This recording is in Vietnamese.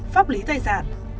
pháp lý tài sản